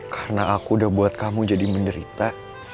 karena aku udah buat kamu jadi menderita